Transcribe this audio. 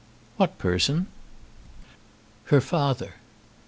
"What person?" "Her father."